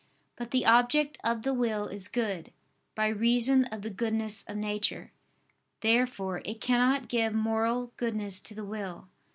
But the object of the will is good, by reason of the goodness of nature. Therefore it cannot give moral goodness to the will.